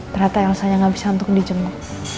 ternyata yang sayang gak bisa untuk dijemuk